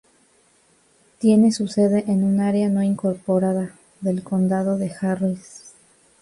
Tiene su sede en un área no incorporada del Condado de Harris.